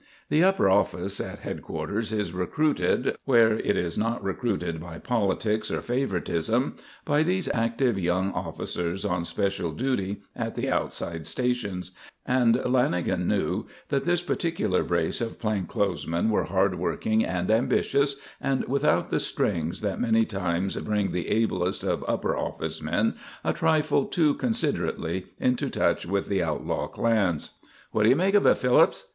The "upper office" at headquarters is recruited where it is not recruited by politics or favouritism by these active young officers on special duty at the outside stations, and Lanagan knew that this particular brace of plain clothes men were hardworking and ambitious and without the "strings" that many times bring the ablest of upper office men a trifle too considerately into touch with the outlaw clans. "What do you make of it, Phillips?"